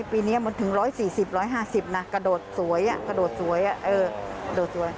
ปีนี้มันถึง๑๔๐๑๕๐น่ะกระโดดสวยเออ